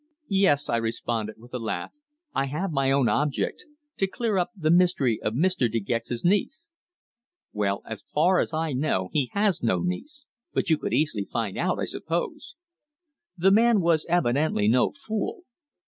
"Yes," I responded with a laugh. "I have my own object to clear up the mystery of Mr. De Gex's niece." "Well, as far as I know, he has no niece! But you could easily find out, I suppose!" The man was evidently no fool.